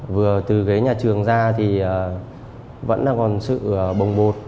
vừa từ nhà trường ra thì vẫn còn sự bồng bột